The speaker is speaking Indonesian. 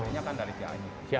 aslinya kan dari cianjur